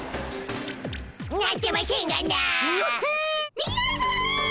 みなさま！